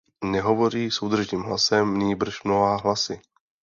Nehovoří soudržným hlasem, nýbrž mnoha hlasy.